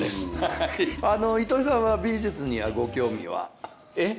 あの糸井さんは美術にはご興味は？え？